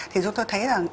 thì chúng ta thấy là